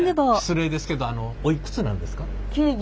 失礼ですけどあのおいくつなんですか？